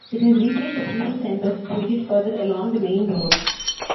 It has replaced the previous centre situated further along the main road.